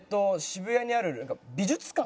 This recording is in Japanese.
渋谷にある美術館？